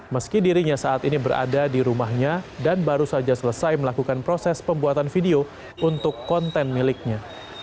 meski dirinya saat ini berada di rumahnya dan baru saja selesai melakukan proses pembuatan video untuk konten miliknya